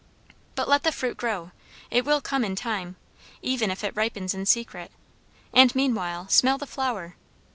But let the fruit grow; it will come in time, even if it ripens in secret; and meanwhile smell the flower.